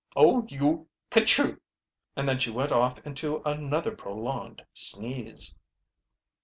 "Oh, you ker chew!" and then she went off into another prolonged sneeze.